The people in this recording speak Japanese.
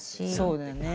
そうだよね。